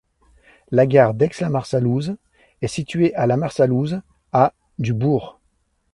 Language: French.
La gare d'Aix-La Marsalouse est située à La Marsalouse, à du bourg.